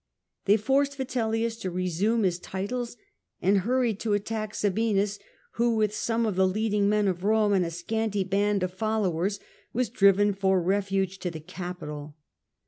They forced Vitellius to resume his titles, and hurried to attack Sabinus, who, with some of the leading men of Rome and a scanty band of followers, was driven who stormed for refuge to the Capitol.